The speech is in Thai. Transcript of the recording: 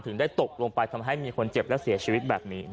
ได้ตกลงไปทำให้มีคนเจ็บและเสียชีวิตแบบนี้